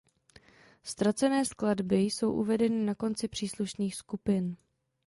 Ztracené skladby jsou uvedeny na konci příslušných skupin.